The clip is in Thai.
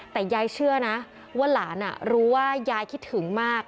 แต่ยายเชื่อนะว่าหลานรู้ว่ายายคิดถึงมาก